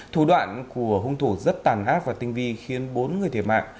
thủ đoạn của hung thủ rất tàn ác và tinh vi khiến bốn người thiệt mạng